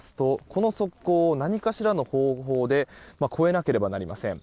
この側溝を何かしらの方法で越えなければなりません。